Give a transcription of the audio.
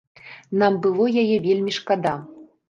Нам было яе вельмі шкада.